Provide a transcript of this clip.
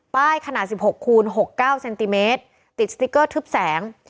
ขนาด๑๖คูณ๖๙เซนติเมตรติดสติ๊กเกอร์ทึบแสง